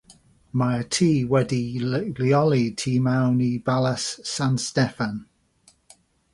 Mae'r tŷ wedi'i leoli tu mewn i Balas San Steffan.